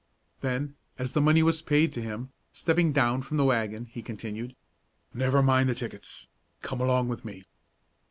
Then, as the money was paid to him, stepping down from the wagon, he continued: "Never mind the tickets; come along with me."